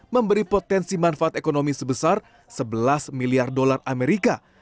memberi potensi manfaat ekonomi sebesar sebelas miliar dolar amerika